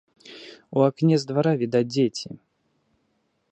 У акне з двара відаць дзеці.